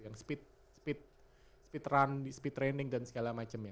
yang speed speed run speed training dan segala macemnya